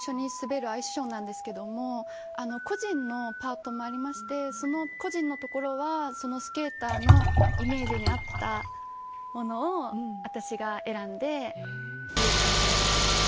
私と１０名のスケーターと一緒に滑るアイスショーなんですが個人のパートもありましてその個人のところはそのスケーターのイメージに合ったものを私が選んでという感じになります。